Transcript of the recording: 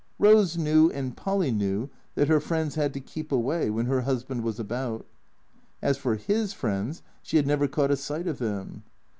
Rose knew and Polly knew that her friends had to keep away when her husband was about. As for Ms friends, she had never caught a sight of them.